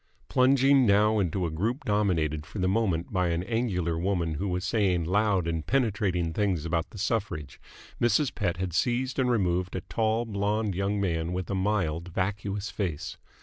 Plunging now into a group dominated for the moment by an angular woman who was saying loud and penetrating things about the suffrage, Mrs. Pett had seized and removed a tall, blonde young man with a mild, vacuous face.